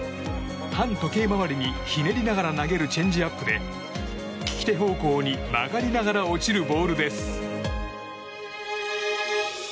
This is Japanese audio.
反時計回りにひねりながら投げるチェンジアップで利き手方向に曲がりながら落ちるボールです。